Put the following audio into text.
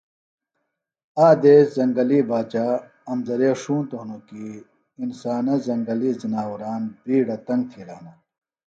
آک دیس زنگلی باچا امزرے ݜُونتوۡ ہنوۡ کیۡ انسانہ زنگلی زناوران بیڈہ تنگ تِھیلہ ہِنہ